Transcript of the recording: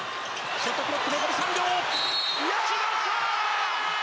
ショットクロック残り３秒来ました！